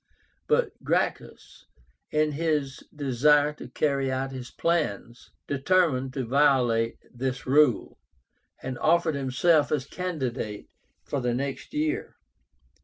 But Gracchus, in his desire to carry out his plans, determined to violate this rule, and offered himself as candidate for the next year.